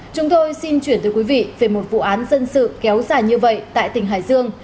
chúng tôi xin chuyển tới quý vị về một vụ án dân sự kéo dài như vậy tại tỉnh hải dương